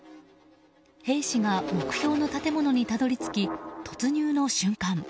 兵士が目標の建物にたどり着き突入の瞬間。